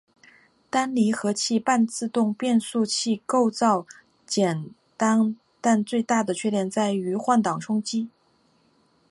单离合器半自动变速器构造简单但最大的缺点在于换挡冲击。